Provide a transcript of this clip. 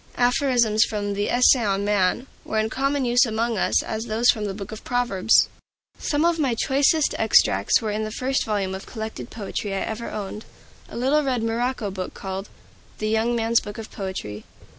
Aphorisms from the "Essay on Man" were in as common use among us as those from the Book of Proverbs. Some of my choicest extracts were in the first volume of collected poetry I ever owned, a little red morocco book called "The Young Man's Book of Poetry."